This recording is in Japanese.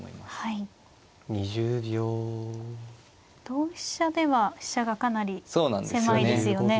同飛車では飛車がかなり狭いですよね。